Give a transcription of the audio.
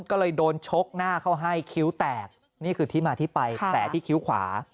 ก็เลยโดนชกหน้าเขาให้คิ้วแตกนี่คือที่มาที่ไปแผลที่คิ้วขวา